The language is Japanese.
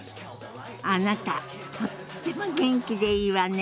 あなたとっても元気でいいわね！